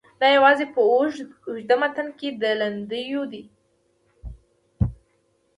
دا یوازې په اوږده متن کې لیندیو دي.